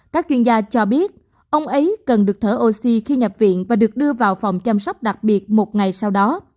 các chuyên gia cho biết ông ấy cần được thở oxy khi nhập viện và được đưa vào phòng chăm sóc đặc biệt một ngày sau đó